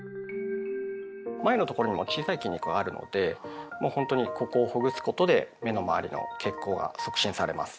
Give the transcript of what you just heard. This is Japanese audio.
眉のところにも小さい筋肉はあるのでもうほんとにここをほぐすことで目の周りの血行が促進されます。